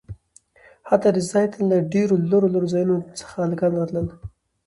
حتا د ځاى ته له ډېرو لرو لرو ځايونه څخه هلکان راتلل.